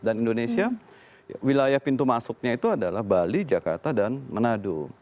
dan indonesia wilayah pintu masuknya itu adalah bali jakarta dan manado